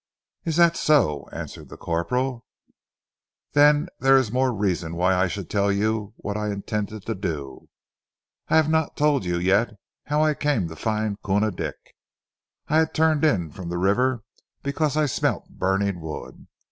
"Is that so?" answered the corporal. "Then there is more reason why I should tell you what I intended to do. I have not told you yet how I came to find Koona Dick. I had turned in from the river because I smelt burning wood.